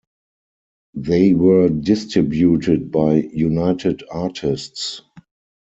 They were distributed by United Artists.